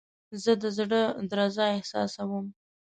زه د زړه درزا احساسوم.